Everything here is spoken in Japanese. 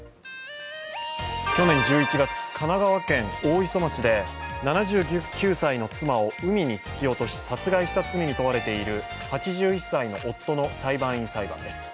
去年１１月、神奈川県大磯町で７９歳の妻を海に突き落とし殺害した罪に問われている８１歳の夫の裁判員裁判です。